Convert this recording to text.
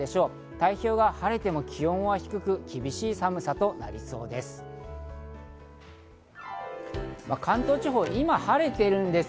太平洋側は晴れても気温が低く、厳しい寒さとなりそうです。